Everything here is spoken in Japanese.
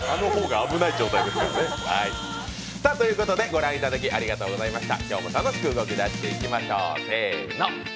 ご覧いただきありがとうございました。